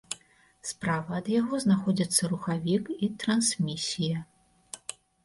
Справа ад яго знаходзяцца рухавік і трансмісія.